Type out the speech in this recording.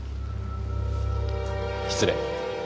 失礼。